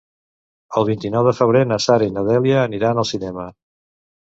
El vint-i-nou de febrer na Sara i na Dèlia aniran al cinema.